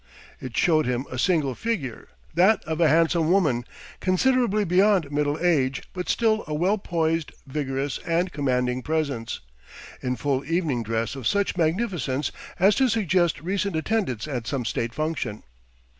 It showed him a single figure, that of a handsome woman, considerably beyond middle age but still a well poised, vigorous, and commanding presence, in full evening dress of such magnificence as to suggest recent attendance at some State function.